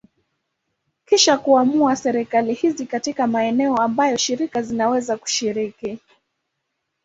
Kisha kuamua serikali hizi katika maeneo ambayo shirika zinaweza kushiriki.